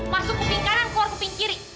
masuk kuping kanan keluar kuping kiri